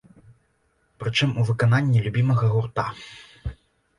Прычым у выкананні любімага гурта!